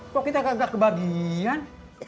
kok kita gak kebagian